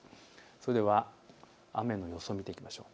それでは雨の予想を見ていきましょう。